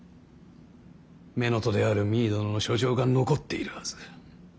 乳母である実衣殿の書状が残っているはず。